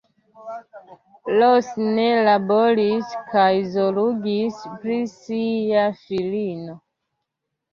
Ros ne laboris kaj zorgis pri sia filino.